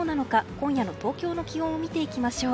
今夜の東京の気温を見ていきましょう。